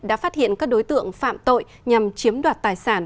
đã phát hiện các đối tượng phạm tội nhằm chiếm đoạt tài sản